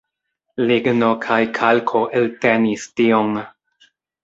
Ligno kaj kalko eltenis tion.